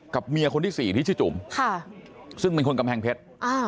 เมียคนที่สี่ที่ชื่อจุ๋มซึ่งเป็นคนกำแพงเพชร